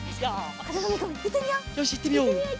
よしいってみよう。